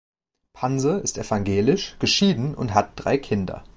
Panse ist evangelisch, geschieden und hat drei Kinder.